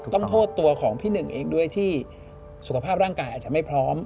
โทษตัวของพี่หนึ่งเองด้วยที่สุขภาพร่างกายอาจจะไม่พร้อม